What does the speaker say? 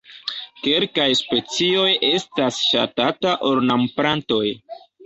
Kelkaj specioj estas ŝatataj ornamplantoj.